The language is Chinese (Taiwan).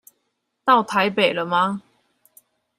到台北了嗎？